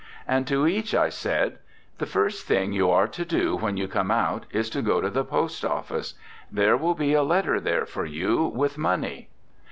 And to each I said: The first thing you are to do when you come out is to go to the post office; there will be a letter there for you with money.